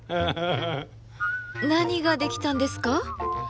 何ができたんですか？